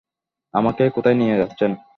আমাকে কোথায় নিয়ে যাচ্ছেন?